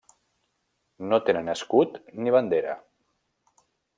No tenen escut ni bandera: